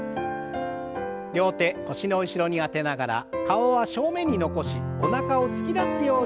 両手腰の後ろに当てながら顔は正面に残しおなかを突き出すようにして